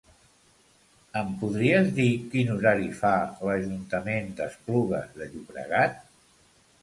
Em podries dir quin horari fa l'Ajuntament d'Esplugues de Llobregat?